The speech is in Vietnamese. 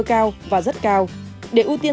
cao và rất cao để ưu tiên